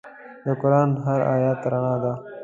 د قرآن هر آیت رڼا ده.